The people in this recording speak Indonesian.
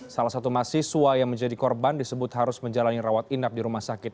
salah satu mahasiswa yang menjadi korban disebut harus menjalani rawat inap di rumah sakit